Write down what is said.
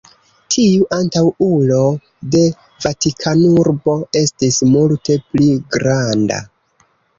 Tiu antaŭulo de Vatikanurbo estis multe pli granda.